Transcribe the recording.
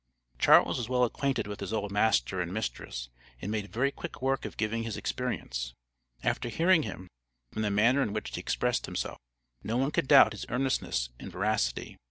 Charles was well acquainted with his old master and mistress, and made very quick work of giving his experience. After hearing him, from the manner in which he expressed himself, no one could doubt his earnestness and veracity.